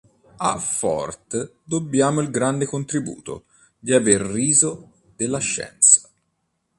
A Fort dobbiamo il grande contributo di aver riso della scienza.